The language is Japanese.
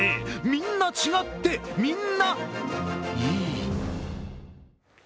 みんな違ってみんないい。